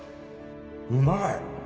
うまい！